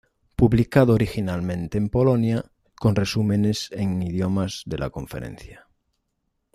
Publicado originalmente en Polonia, con resúmenes en idiomas de la conferencia.